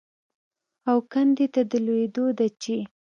او کندې ته د لوېدو ده چې